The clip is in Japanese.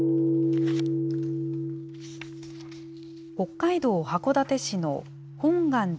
北海道函館市の本願寺